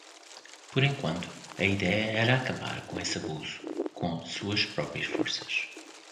Por enquanto, a ideia era acabar com esse abuso com suas próprias forças.